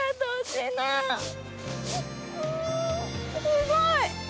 すごい！